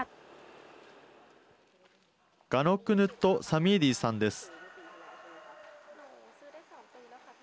ガノックヌット・サミーディーさんです。